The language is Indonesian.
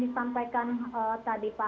disampaikan tadi pak